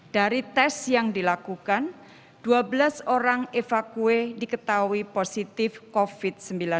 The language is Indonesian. dari tes yang dilakukan dua belas orang evakue diketahui positif covid sembilan belas